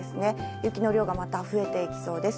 雪の量がまた増えていきそうです。